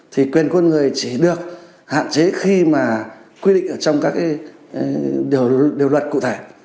thì quyền quân người chỉ được hạn chế khi mà quy định trong các điều luật cụ thể